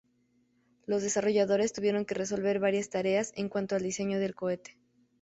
Los desarrolladores tuvieron que resolver varias tareas en cuanto al diseño del cohete.